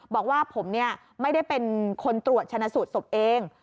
บอกว่าผมไม่ได้เป็นคนตรวจชนะสูตรศพเอง